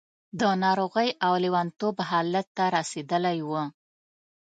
د ناروغۍ او لېونتوب حالت ته رسېدلې وه.